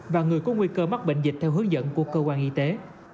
và người có nguy cơ mắc bệnh dịch theo hướng dẫn của cơ quan y tế